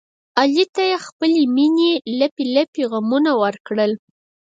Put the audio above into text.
علي ته یې خپلې مینې لپې لپې غمونه ورکړل.